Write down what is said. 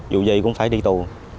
dù gì cũng phải đi tù